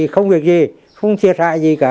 không việc gì không thiệt hại gì cả